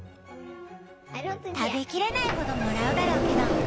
食べきれないほどもらうだろうけど。